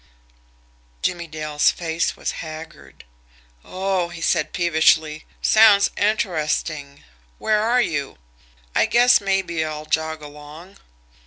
Jimmie Dale's face was haggard. "Oh!" he said peevishly. "Sounds interesting. Where are you? I guess maybe I'll jog along."